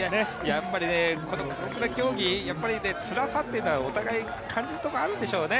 やっぱりこの過酷な競技、つらさというのはお互い、感じるところがあるんでしょうね。